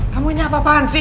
kamu ini apa apaan sih